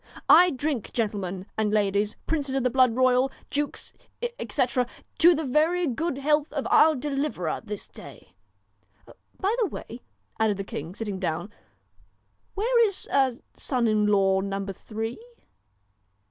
I drink, gentlemen and ladies, princes of the blood royal, dukes, etc. ... to the very good health of pur deliverer this day. By the way,' added the king, sitting down, ' where is son in law number Three